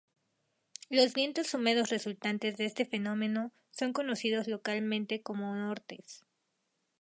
Los vientos húmedos resultantes de este fenómeno son conocidos localmente como "nortes".